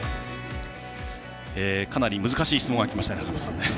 かなり難しい質問がきましたね。